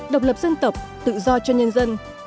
độc lập dân tộc tự do cho nhân dân